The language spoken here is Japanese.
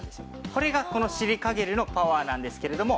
これがこのシリカゲルのパワーなんですけれども。